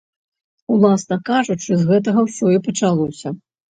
Уласна кажучы, з гэтага ўсё і пачалося.